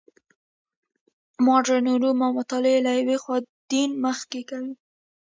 مډرن علوم او مطالعې له یوې خوا دین مخ کوي.